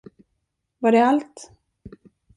Var det allt?